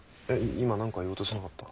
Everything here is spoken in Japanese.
今何か言おうとしてなかった？